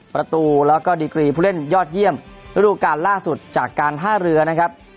ประตูแล้วก็ดีกรีผู้เล่นยอดเยี่ยมฤดูการล่าสุดจากการท่าเรือนะครับ